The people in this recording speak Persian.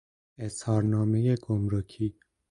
اظهارنامهی گمرکی